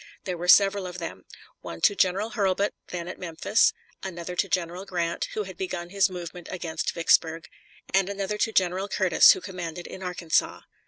There were several of them: one to General Hurlbut, then at Memphis; another to General Grant, who had begun his movement against Vicksburg; and another to General Curtis, who commanded in Arkansas.